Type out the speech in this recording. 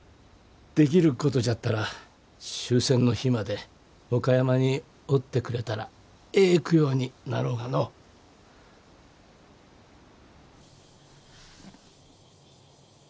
できることじゃったら終戦の日まで岡山におってくれたらええ供養になろうがのお。